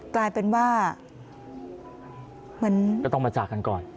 กลายเป็นว่าเหมือนก็ต้องมาจากกันก่อน